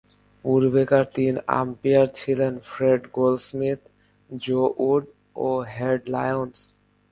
পূর্বেকার তিন আম্পায়ার ছিলেন Fred Goldsmith, Joe Wood ও টেড লায়ন্স।